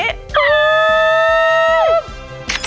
ปลื้ม